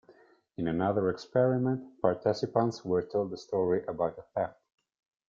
In another experiment, participants were told a story about a theft.